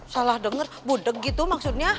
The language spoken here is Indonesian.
salah denger budeg gitu maksudnya